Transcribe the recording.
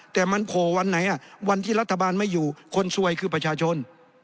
แต่มันโผล่วันไหนวันที่รัฐบาลไม่อยู่คนซวยคือประชาชน